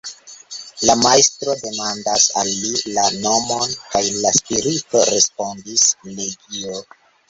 La Majstro demandas al li la nomon, kaj la spirito respondis: "legio".